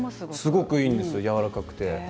すごくいいですやわらかくて。